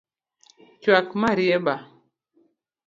Chuak marieba